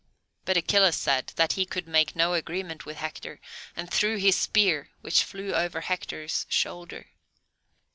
But Achilles said that he could make no agreement with Hector, and threw his spear, which flew over Hector's shoulder.